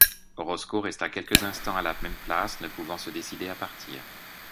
Rotzko resta quelques instants à la même place, ne pouvant se décider à partir.